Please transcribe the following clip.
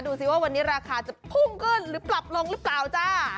ดูสิว่าวันนี้ราคาจะพุ่งขึ้นหรือปรับลงหรือเปล่าจ้า